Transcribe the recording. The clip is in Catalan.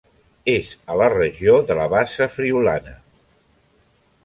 És a la regió de la Bassa Friülana.